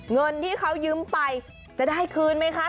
เงินที่เขายืมไปจะได้คืนไหมคะ